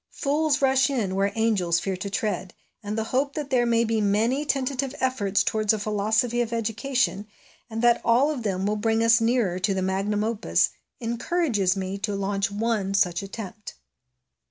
Fools rush in where angels fear to tread ; and the hope that there may be many tentative efforts towards a philosophy of education, and that all of them will bring us nearer to the magnum opus, encourages me to launch one such attempt.